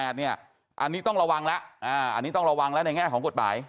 อันนี้ต้องระวังแล้วในแง่ของกฎหมาย